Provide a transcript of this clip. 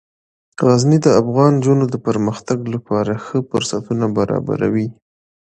غزني د افغان نجونو د پرمختګ لپاره ښه فرصتونه برابروي.